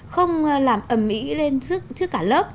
không làm ẩm ý lên trước cả lớp